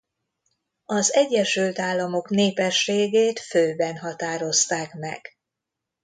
Az Egyesült Államok népességét főben határozták meg.